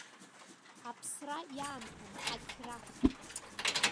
Аԥсра иаамҭам, ақьра.